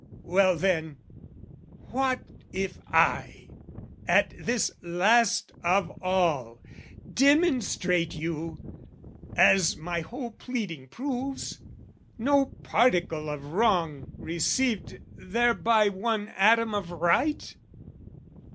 Well then, what if I, at this last of all, Demonstrate you, as my whole pleading proves, No particle of wrong received thereby One atom of right?